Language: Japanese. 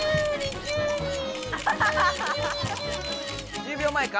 １０秒前か？